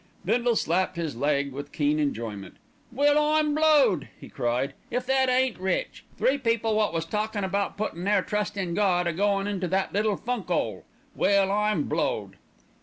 Bindle slapped his leg with keen enjoyment. "Well, I'm blowed!" he cried, "if that ain't rich. Three people wot was talkin' about puttin' their trust in Gawd a goin' into that little funk 'ole. Well, I'm blowed!"